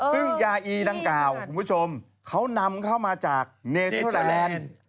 ซึ่งยาอีดังกล่าวคุณผู้ชมเขานำเข้ามาจากเนเทอร์เตอร์แลนด์